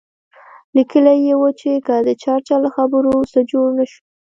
لیکلي یې وو چې که د چرچل له خبرو څه جوړ نه شو.